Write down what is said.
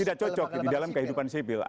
tidak cocok di dalam kehidupan sipil